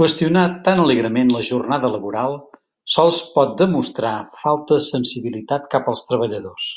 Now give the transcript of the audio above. Qüestionar tant alegrement la jornada laboral, sols pot demostrar falta sensibilitat cap als treballadors.